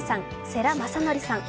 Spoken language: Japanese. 世良公則さん